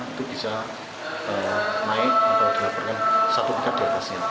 itu bisa naik atau dilaporkan satu tingkat di atasnya